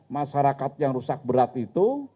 masyarakat yang rusak berat itu